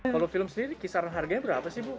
kalau film sendiri kisaran harganya berapa sih bu